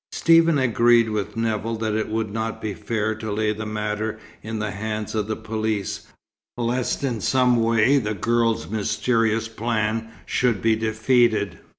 Stephen agreed with Nevill that it would not be fair to lay the matter in the hands of the police, lest in some way the girl's mysterious "plan" should be defeated.